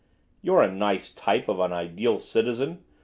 'You're a nice type of an ideal citizen!